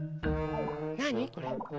なにこれ？